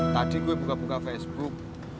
tadi gue buka buka facebook